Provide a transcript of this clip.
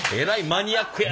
マニアック。